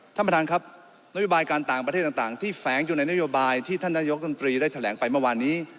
ท่านประธานครับนโยบายการต่างประเทศต่างที่แฝงอยู่ในนโยบายที่ท่านนายกรรมตรีได้แถลงไปเมื่อวานนี้